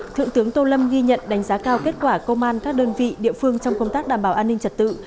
thượng tướng tô lâm ghi nhận đánh giá cao kết quả công an các đơn vị địa phương trong công tác đảm bảo an ninh trật tự